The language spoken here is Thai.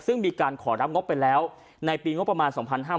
ซึ่งมีการขอรับงบไปแล้วในปีงบประมาณ๒๕๕๙